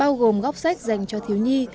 bao gồm góc sách dành cho thiếu nhi